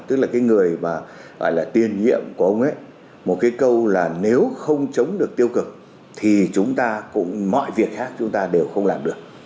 tức là người tiên nhiệm của ông ấy một câu là nếu không chống được tiêu cực thì chúng ta cũng mọi việc khác chúng ta đều không làm được